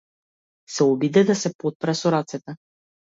Се обиде да се потпре со рацете.